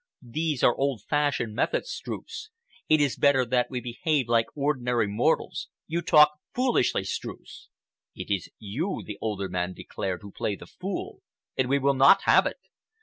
These are old fashioned methods, Streuss. It is better that we behave like ordinary mortals. You talk foolishly, Streuss!" "It is you," the older man declared, "who play the fool, and we will not have it!